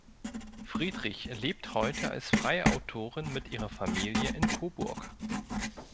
Friedrich lebt heute als freie Autorin mit ihrer Familie in Coburg.